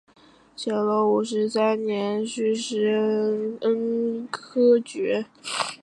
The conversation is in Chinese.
乾隆五十三年戊申恩科举人。